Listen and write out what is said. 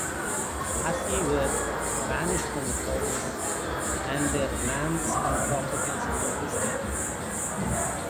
The Pazzi were banished from Florence, and their lands and property confiscated.